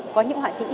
có những họa sĩ